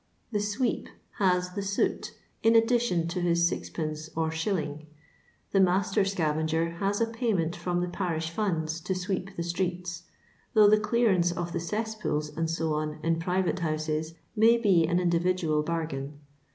The sweep has the soot in aiddition to his 6d or I5.; the master scavenger has a payment from the parish funds to sweep the streets, though the clearance of the cesspools, &&, in private houses, may be an in dividual bargain.